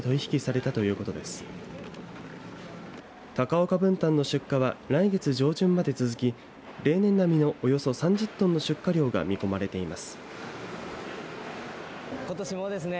たかおか文旦の出荷は来月上旬まで続き例年並みのおよそ３０トンの出荷量が見込まれています。